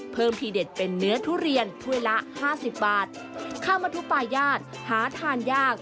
ทีเด็ดเป็นเนื้อทุเรียนถ้วยละห้าสิบบาทข้าวมะทุปาญาติหาทานยาก